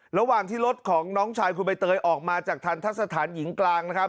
ระหว่างที่รถของน้องชายคุณใบเตยออกมาจากทันทะสถานหญิงกลางนะครับ